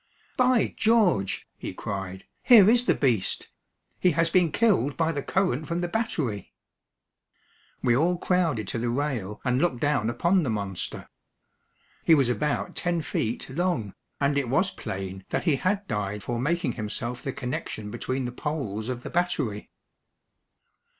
"By George," he cried, "here is the beast. He has been killed by the current from the battery." We all crowded to the rail and looked down upon the monster. He was about ten feet long, and it was plain that he had died for making himself the connection between the poles of the battery.